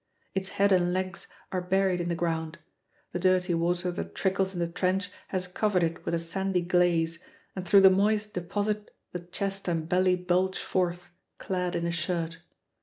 Its head and legs are buried in the ground. The dirty water that trickles in the trench has covered it with a sandy glaze, and through the moist deposit the chest and belly bulge forth, clad in a shirt.